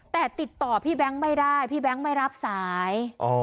แต่ติดต่อพี่แบงค์ไม่ได้พี่แบงค์ไม่รับสาย